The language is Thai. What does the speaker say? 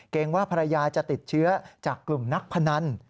ว่าภรรยาจะติดเชื้อจากกลุ่มนักพนัน